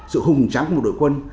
sự hùng trắng của một đội quân